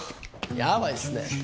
やばいっすね。